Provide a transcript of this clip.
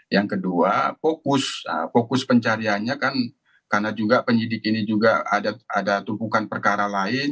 yang kedua fokus pencariannya kan karena juga penyidik ini juga ada tumpukan perkara lain